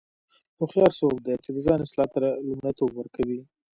هوښیار څوک دی چې د ځان اصلاح ته لومړیتوب ورکوي.